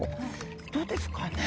どうですかね？